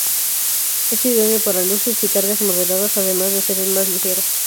Es idóneo para luces y cargas moderadas, además de ser el más ligero.